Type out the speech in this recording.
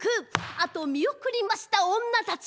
あとを見送りました女たち。